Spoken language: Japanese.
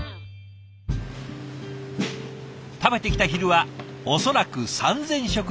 食べてきた昼は恐らく３，０００食以上。